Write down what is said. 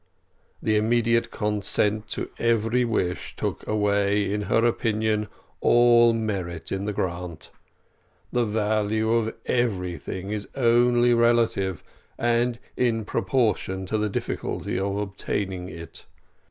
The immediate consent to every wish took away, in her opinion, all merit in the grant; the value of everything is only relative, and in proportion to the difficulty of obtaining it.